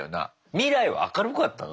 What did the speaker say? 未来は明るかったの？